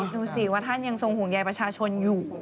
ดูสิว่าท่านยังทรงห่วงใยประชาชนอยู่